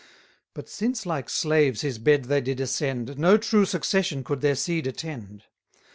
But since like slaves his bed they did ascend, No true succession could their seed attend.